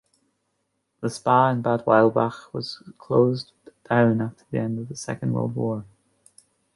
The Spa in Bad Weilbach was closed down after the end of the Second World War.